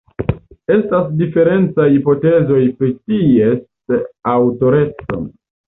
Estas diferencaj hipotezoj pri ties aŭtoreco.